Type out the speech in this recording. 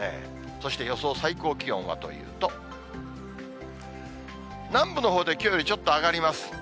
そして予想最高気温はというと、南部のほうできょうよりちょっと上がります。